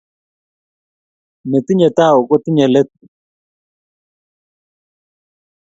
Netinye tao kotinye let